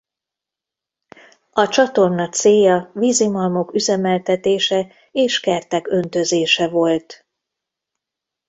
A csatorna célja vízimalmok üzemeltetése és kertek öntözése volt.